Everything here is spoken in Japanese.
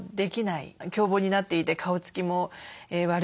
狂暴になっていて顔つきも悪い。